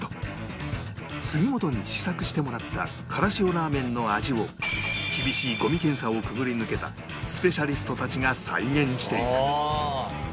すぎ本に試作してもらった辛塩ラーメンの味を厳しい五味検査をくぐり抜けたスペシャリストたちが再現していく